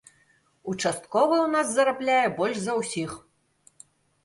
Участковы ў нас зарабляе больш за ўсіх.